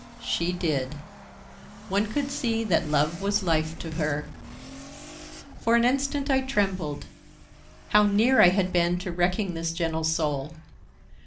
She did. One could see that love was life to her. For an instant I trembled. How near I had been to wrecking this gentle soul!